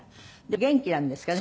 元気なんですかね？